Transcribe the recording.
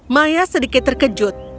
maya sedikit terkejut